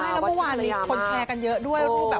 แล้วเมื่อวานคนแชร์กันเยอะด้วย